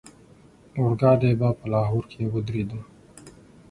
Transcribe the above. اورګاډی به په لاهور کې ودرېدو.